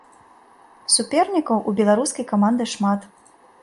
Супернікаў у беларускай каманды шмат.